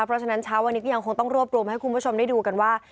เพราะฉะนั้นเช้าวันนี้ก็ยังคงต้องรวบรวมให้คุณผู้ชมได้ดูกันว่า